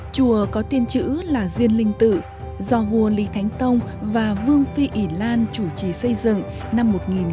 chùa có tiên chữ là diên linh tự do vua lý thánh tông và vương phi ỉ lan chủ trì xây dựng năm một nghìn năm mươi bốn